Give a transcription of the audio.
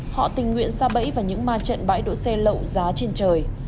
họ tình nguyện xa bẫy vào những ma trận bãi đỗ xe lậu giá trên trời